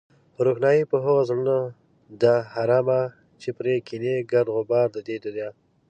روښنايي په هغو زړونو ده حرامه چې پرې کېني گرد غبار د دې دنيا